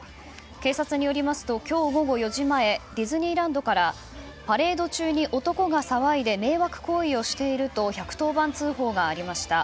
警察によりますと今日午後４時前ディズニーランドからパレード中に男が騒いで迷惑行為をしていると１１０番通報がありました。